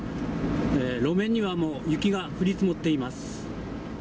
路面には、もう雪が降り積もっています。